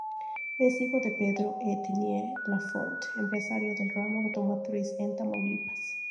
Es hijo de Pedro Etienne Lafont, empresario del ramo automotriz en Tamaulipas.